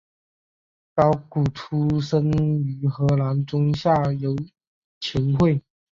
高古出身于荷兰中下游球会。